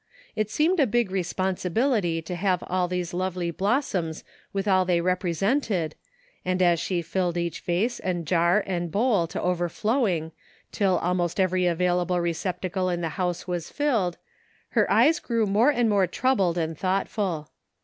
It seemed a big responsibility to have all these lovely blossoms with all they represented, and as she filled each vase and jar and bowl to overflowing till almost every available receptacle in the house was filled, her eyes grew more and more troubled and thoughtful.